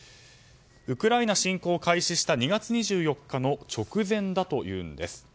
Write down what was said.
ウクライナ侵攻を開始した２月２４日の直前だというんです。